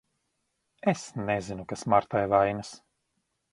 Es nezinu, kas Martai vainas.